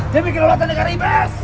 dimikir rolaan dengan rebels